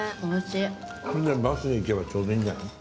これでバスで行けばちょうどいいんじゃない？